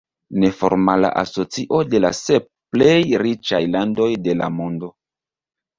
Neformala asocio de la sep plej riĉaj landoj de la mondo.